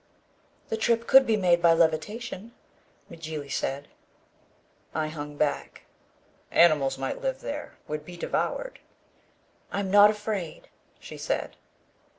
"The trip could be made by levitation," Mjly said. I hung back. "Animals might live there. We'd be devoured." "I am not afraid," she said.